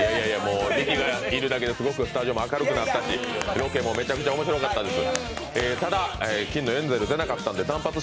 ミキがいるだけでスタジオも明るくなったしロケもめちゃくちゃ面白かったです。